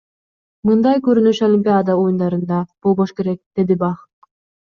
Мындай көрүнүш Олимпиада оюндарында болбош керек, — деди Бах.